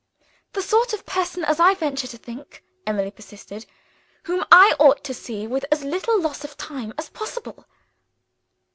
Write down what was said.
"The sort of person, as I venture to think," Emily persisted, "whom I ought to see with as little loss of time as possible."